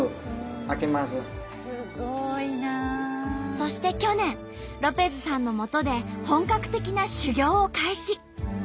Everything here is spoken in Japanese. そして去年ロペズさんのもとで本格的な修業を開始。